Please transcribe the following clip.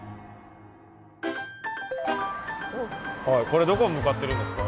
これどこへ向かってるんですか？